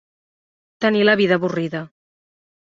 Tenir la vida avorrida.